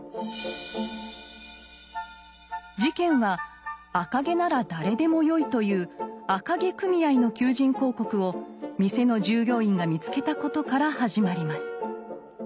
事件は赤毛なら誰でもよいという赤毛組合の求人広告を店の従業員が見つけたことから始まります。